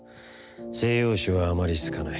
西洋種はあまり好かない。